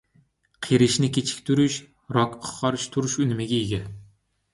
قېرىشنى كېچىكتۈرۈش، راكقا قارشى تۇرۇش ئۈنۈمىگە ئىگە.